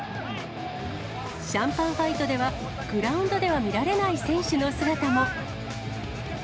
シャンパンファイトでは、グラウンドでは見られない選手の姿も。